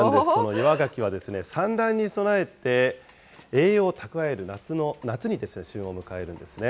岩がきは産卵に備えて、栄養を蓄える夏に旬を迎えるんですね。